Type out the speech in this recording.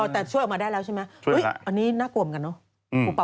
แต่ช่วยออกมาได้แล้วใช่ไหมอันนี้น่ากลัวเหมือนกันเนอะ